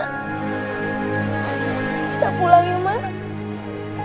kita pulang ya emak